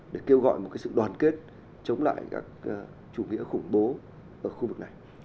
để kêu gọi một sự đoàn kết chống lại các chủ nghĩa khủng bố ở khu vực này